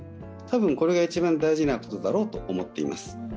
多分、これが一番大事なところだろうと思います。